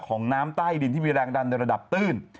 น้ำใต้ดินที่มีแรงดันในระดับตื้น